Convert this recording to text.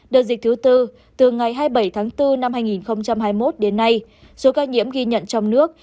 đợt dịch thứ tư từ ngày hai mươi bảy tháng bốn năm hai nghìn hai mươi một đến nay số ca nhiễm ghi nhận trong nước